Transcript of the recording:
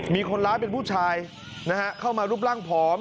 มีคนร้ายเป็นผู้ชายนะฮะเข้ามารูปร่างผอม